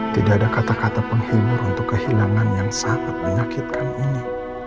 tidak ada kata kata penghibur untuk kehilangan yang sangat menyakitkan ini